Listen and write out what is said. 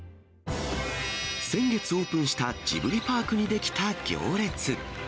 先月オープンしたジブリパークに出来た行列。